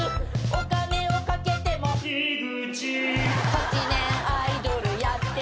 「８年アイドルやってて」